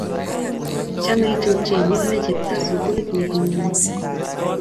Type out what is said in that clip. chomei tupchenyu ne chepto sukulit ne kinyoru